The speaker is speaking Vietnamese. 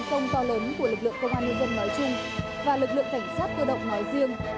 công to lớn của lực lượng công an nhân dân nói chung và lực lượng cảnh sát cơ động nói riêng